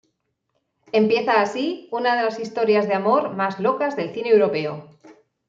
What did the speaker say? Empieza así una de las historias de amor más locas del cine europeo.